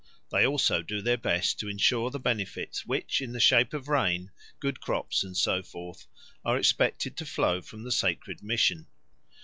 They also do their best to ensure the benefits which, in the shape of rain, good crops, and so forth, are expected to flow from the sacred mission.